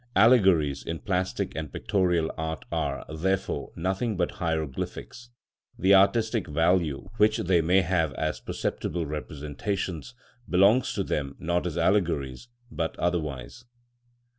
Allegories in plastic and pictorial art are, therefore, nothing but hieroglyphics; the artistic value which they may have as perceptible representations, belongs to them not as allegories, but otherwise.